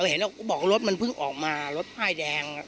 เห็นเอ้าบอกรถมันเพิ่งออกมารถภาคแดง